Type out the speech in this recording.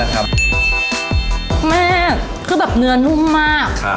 แม่คือแบบเนื้อนุ่มมาก